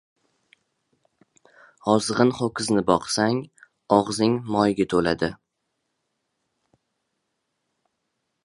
• Ozg‘in ho‘kizni boqsang og‘zing moyga to‘ladi